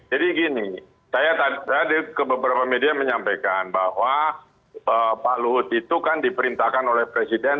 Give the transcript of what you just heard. jadi gini saya ke beberapa media menyampaikan bahwa pak luhut itu kan diperintahkan oleh presiden